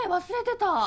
忘れてた。